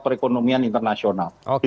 perekonomian internasional oke